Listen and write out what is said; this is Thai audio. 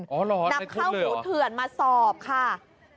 อ๋อเหรอในทุนเลยเหรอนำเข้าหมูเถื่อนมาสอบค่ะนำเข้าคุณผู้เถื่อนมาสอบค่ะ